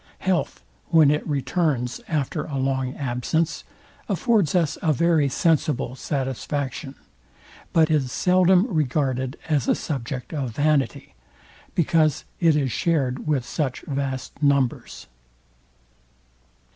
Health, when it returns after a long absence, affords us a very sensible satisfaction; but is seldom regarded as a subject of vanity, because it is shared with such vast numbers.